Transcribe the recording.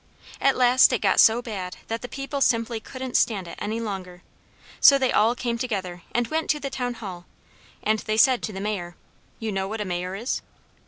At last it got so bad that the people simply couldn't stand it any longer. So they all came together and went to the town hall, and they said to the Mayor (you know what a mayor is?)